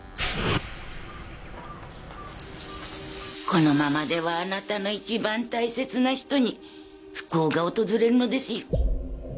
このままではあなたの一番大切な人に不幸が訪れるのですよ。